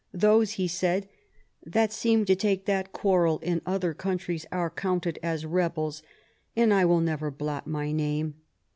Those," he said, " that seem to take that quarrel in other countries are counted as rebels ; and I will never blot my name."